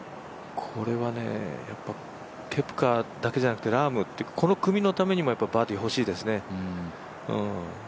これはね、ケプカだけじゃなくてラーム、この組のためにもバーディー欲しいですね。